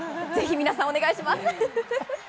ぜひ皆さんお願いします！